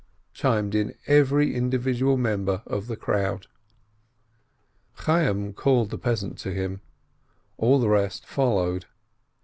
chimed in every individual member of the crowd. Chayyim called the peasant to him; all the rest followed.